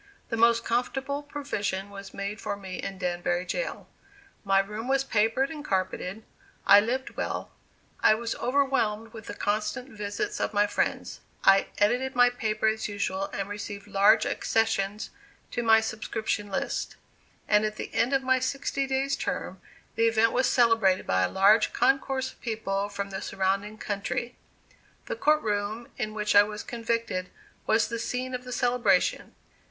The most comfortable provision was made for me in Danbury jail. My room was papered and carpeted; I lived well; I was overwhelmed with the constant visits of my friends; I edited my paper as usual and received large accessions to my subscription list; and at the end of my sixty days' term the event was celebrated by a large concourse of people from the surrounding country. The court room in which I was convicted was the scene of the celebration.